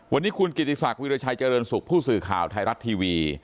วันนี้คุณกิติศักดิราชัยเจริญสุขผู้สื่อข่าวไทยรัฐทีวี